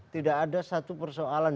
tidak ada satu persoalan